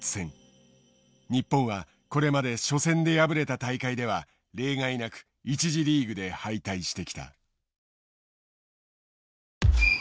日本はこれまで初戦で敗れた大会では例外なく１次リーグで敗退してきた。